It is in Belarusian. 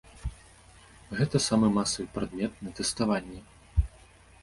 Гэта самы масавы прадмет на тэставанні.